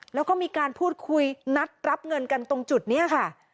แล้วก็มีการพูดคุยนัดรับเงินกันตรงจุดนี้ค่ะ